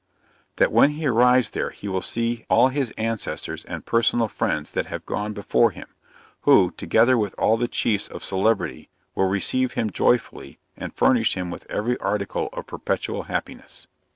That when he arrives there he will see all his ancestors and personal friends that have gone before him; who, together with all the Chiefs of celebrity, will receive him joyfully, and furnish him with every article of perpetual happiness.